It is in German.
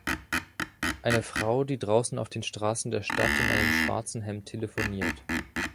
Eine Frau, die draußen auf den Straßen der Stadt in einem schwarzen Hemd telefoniert.